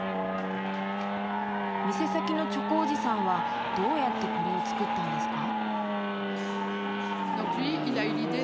店先のチョコおじさんはどうやってこれを作ったんですか？